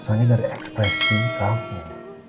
misalnya dari ekspresi kamu